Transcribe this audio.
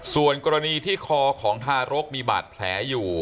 ส่วนกรณีที่คอของทารกมีบาดแผลอยู่